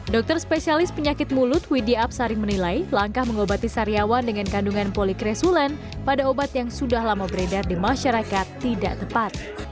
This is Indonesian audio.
dokter spesialis penyakit mulut widi absari menilai langkah mengobati saryawan dengan kandungan polikresulen pada obat yang sudah lama beredar di masyarakat tidak tepat